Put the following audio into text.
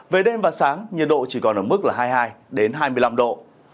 về đêm và sáng nhiệt độ chỉ còn ở mức là hai mươi hai hai mươi năm độ